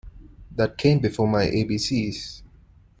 That came before my A B C's.